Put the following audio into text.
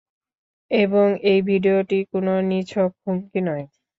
এবং এই ভিডিওটি কোনো নিছক হুমকি নয়।